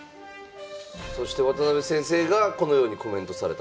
そして渡辺先生がこのようにコメントされたと。